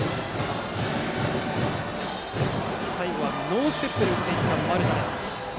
最後はノーステップで打っていった、丸田。